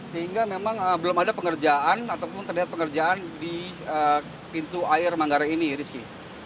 sehingga memang belum ada pengerjaan ataupun terlihat pengerjaan di pintu air manggarai ini rizky